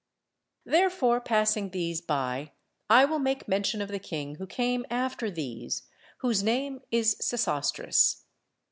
Therefore passing these by I will make mention of the king who came after these, whose name is Sesostris.